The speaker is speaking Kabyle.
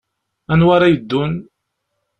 Anwa ara yeddun?